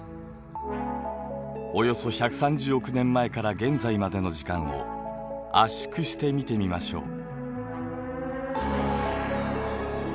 およそ１３０億年前から現在までの時間を圧縮して見てみましょう。